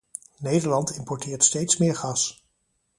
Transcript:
Nederland importeert steeds meer gas.